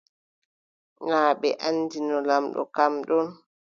Naa ɓe anndino lamɗo kam ɗon.